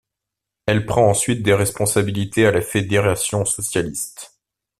Elle prend ensuite des responsabilités à la fédération socialiste.